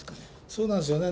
そうなんですよね。